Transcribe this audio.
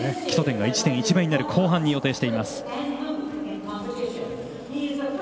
基礎点が１．１倍になる後半に予定しています。